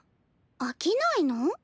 飽きないの？